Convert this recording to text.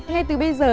ngay từ bây giờ